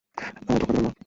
আমায় ধোঁকা দেবে না।